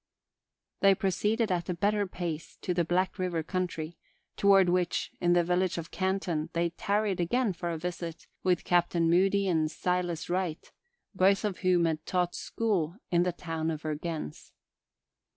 They proceeded at a better pace to the Black River country, toward which, in the village of Canton, they tarried again for a visit with Captain Moody and Silas Wright, both of whom had taught school in the town of Vergennes.